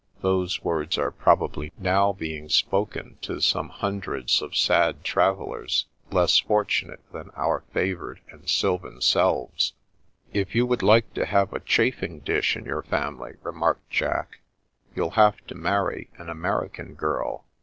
Those words are probably now being spoken to some hundreds of sad travellers less fortunate than our favoured and syl van selves." " If you would like to have a chafing dish in your family," remarked Jack, " you'll have to marry an American girl."